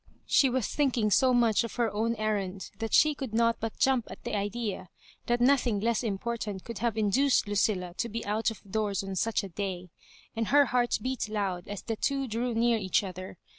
She was thinking so much of her own errand that she could not but jump at the idea that nothing less important corQd have in duced Lucilla to be out of doors on such a day ; and her heart beat loud as the two drew near each other.